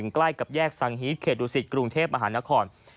ใกล้กับแยกสังฮีเกตุศิษย์กรุงเทพอาหารนคร